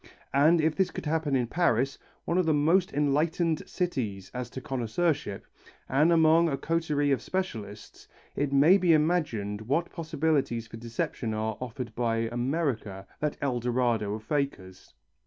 And if this could happen in Paris, one of the most enlightened cities as to connoisseurship, and among a coterie of specialists, it may be imagined what possibilities for deception are offered by America, that El Dorado of fakers.